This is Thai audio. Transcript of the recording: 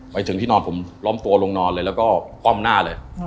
ไปถึงที่นอนผมล้อมตัวลงนอนเลยแล้วก็คว่ำหน้าเลย